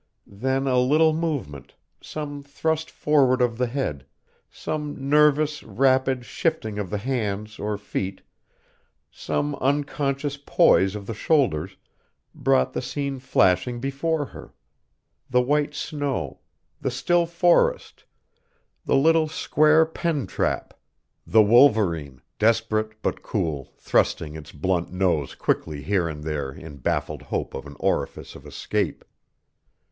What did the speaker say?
Then a little movement, some thrust forward of the head, some nervous, rapid shifting of the hands or feet, some unconscious poise of the shoulders, brought the scene flashing before her the white snow, the still forest, the little square pen trap, the wolverine, desperate but cool, thrusting its blunt nose quickly here and there in baffled hope of an orifice of escape.